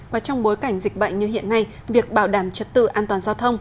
và trong bối cảnh dịch bệnh như hiện nay việc bảo đảm trật tự an toàn giao thông